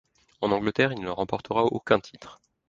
En Angleterre, il ne remporta aucun titre.